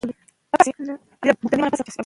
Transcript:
پلېټفارم جوړ شو.